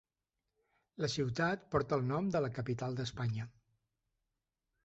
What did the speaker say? La ciutat porta el nom de la capital d'Espanya.